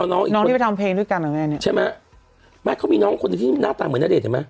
น้องอีกน้องที่ไปทำเพลงด้วยกันเหรอแม่เนี้ยใช่ไหมไม่เขามีน้องคนหนึ่งที่หน้าตาเหมือนณเดชนเห็นไหม